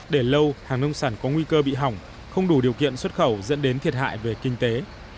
để lâu hàng nông sản có nguy cơ bị hỏng không đủ điều kiện xuất khẩu dẫn đến thiệt hại về kinh tế